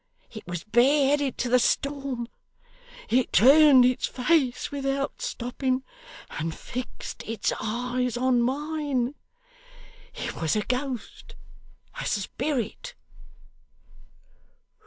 It was bare headed to the storm. It turned its face without stopping, and fixed its eyes on mine. It was a ghost a spirit.